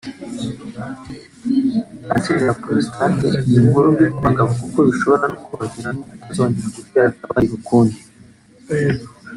Kanseri ya prostate ni inkuru mbi ku bagabo kuko bishobora no kubaviramo kutazongera gutera akabariro ukundi